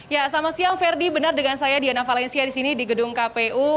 ya selamat siang ferdi benar dengan saya diana valencia di sini di gedung kpu